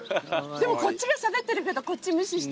でもこっちがしゃべってるけどこっち無視してる。